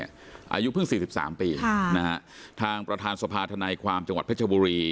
อายุเพิ่ง๔๓ปีทางประธานสภาธนายความจังหวัดเพชรบุรี